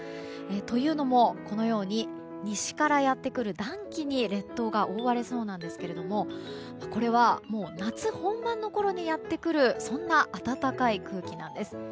というのも、西からやってくる暖気に列島が覆われそうなんですけどもこれは、もう夏本番のころにやってくるそんな暖かい空気なんです。